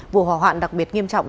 vụ hỏa hoạn đặc biệt nghiêm trọng